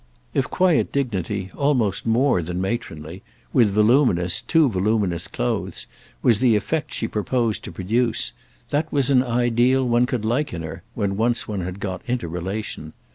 If quiet dignity, almost more than matronly, with voluminous, too voluminous clothes, was the effect she proposed to produce, that was an ideal one could like in her when once one had got into relation.